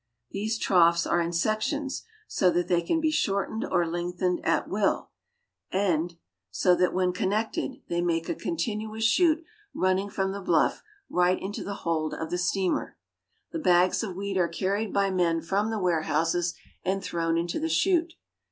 These troughs are in sections, so that they can be shortened or lengthened at will, and so that when con Loading a Vessel, Rosario. 192 ARGENTINA. nected they make a continuous chute running from the bluff right into the hold of the steamer. The bags of wheat are carried by men from the ware houses and thrown into the chute.